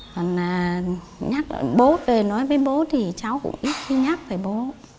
còn bố thì nói với bố thì cháu cũng ít khi nhắc với bố